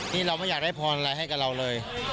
นี่เราไม่อยากได้พรอะไรให้กับเราเลย